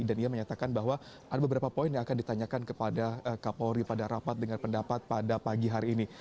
dan dia menyatakan bahwa ada beberapa poin yang akan ditanyakan kepada kapolri pada rapat dengan pendapat pada pagi hari ini